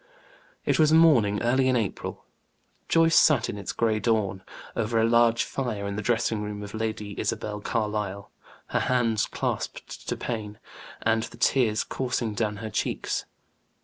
It was a morning early in April. Joyce sat, in its gray dawn, over a large fire in the dressing room of Lady Isabel Carlyle, her hands clasped to pain, and the tears coursing down her cheeks.